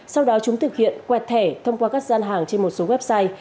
sau đó chúng thực hiện quẹt thẻ thông qua các gian hàng trên một số website